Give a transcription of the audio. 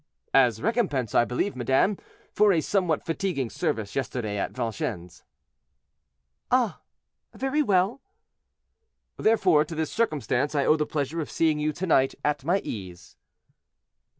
"As recompense, I believe, madame, for a somewhat fatiguing service yesterday at Vincennes." "Ah! very well." "Therefore to this circumstance I owe the pleasure of seeing you to night at my ease."